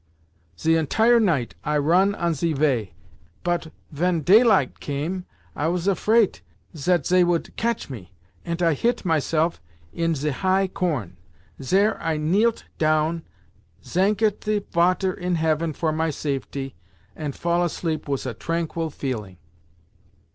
"Ze entire night I ron on ze vay, pot ven taylight came I was afrait zat zey woult catch me, ant I hit myself in ze high corn. Zere I kneelet town, zanket ze Vater in Heaven for my safety, ant fall asleep wis a tranquil feeling.